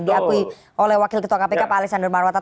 diakui oleh wakil ketua kpk pak alexander marwata